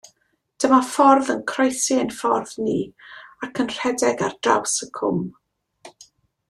Dyma ffordd yn croesi ein ffordd ni, ac yn rhedeg ar draws y cwm.